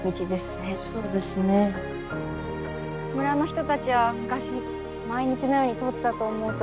村の人たちは昔毎日のように通ったと思うと。